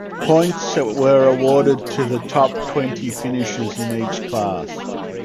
Points were awarded to the top twenty finishers in each class.